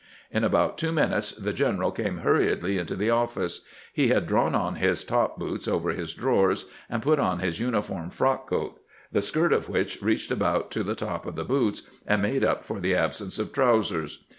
In about two jninutes the general came hurriedly into the ofi&ce. He had drawn on his top boots over his drawers, and put on his uniform frock coat, the skirt of which reached about to the tops of the boots and made up for the ab sence of trousers.